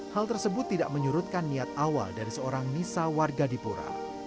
hal tersebut tidak menyurutkan niat awal dari seorang nisa warga dipura